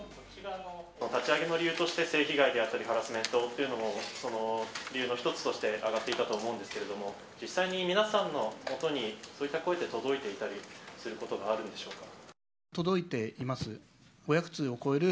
立ち上げの理由として性被害というのやハラスメントを理由の一つとしてあがっていたと思うんですけども実際に、皆さんの元にそういった声は届いていたりすることがあるんでしょうか。